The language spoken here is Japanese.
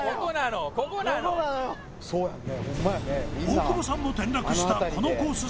大久保さんも転落したこのコース